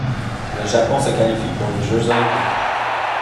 Le Japon se qualifie pour les Jeux olympiques.